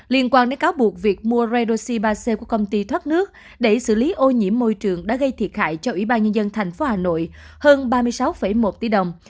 liên quan đến cáo buộc việc mua redoxi ba c của công ty thoát nước để xử lý ô nhiễm môi trường đã gây thiệt hại cho ủy ban nhân dân tp hà nội hơn ba mươi sáu một tỷ đồng